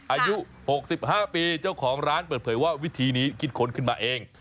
อายุ๖๕ปีเจ้าของร้านเปิดเผยว่าวิธีนี้คิดค้นขึ้นมาเอง